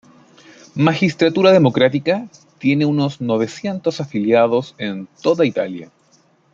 Magistratura democrática tiene unos novecientos afiliados en toda Italia.